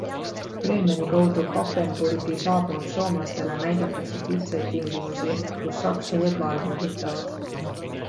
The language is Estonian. Bremeni kaudu Papenburgi saabunud soomlastele näidatakse kitsaid tingimusi, kus sakslased laevu ehitavad.